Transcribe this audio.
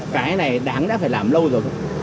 cái này đáng đã phải làm lâu rồi